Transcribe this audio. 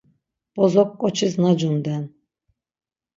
Bozok ǩoçis nacunden.